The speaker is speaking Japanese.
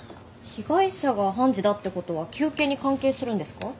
被害者が判事だって事は求刑に関係するんですか？